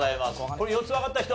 これ４つわかった人？